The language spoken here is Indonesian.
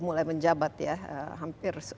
mulai menjabat ya hampir